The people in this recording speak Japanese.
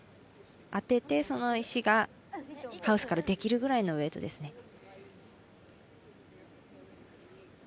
当てて、その石がハウスから出るぐらいのウエイトですね。